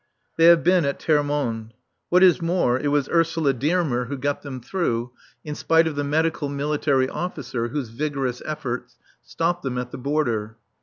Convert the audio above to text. They have been at Termonde. What is more, it was Ursula Dearmer who got them through, in spite of the medical military officer whose vigorous efforts stopped them at the barrier.